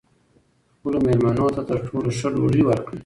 خپلو مېلمنو ته تر ټولو ښه ډوډۍ ورکړئ.